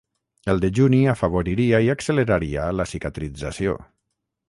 El dejuni afavoriria i acceleraria la cicatrització.